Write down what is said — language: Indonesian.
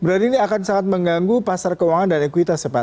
berarti ini akan sangat mengganggu pasar keuangan dan ekuitas ya pak